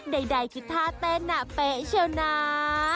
ใดคือท่าเต้นน่ะเป๊ะเชียวน้า